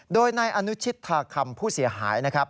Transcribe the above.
ด้วยในอนุชิตทาคชูผู้เสียหายนะครับ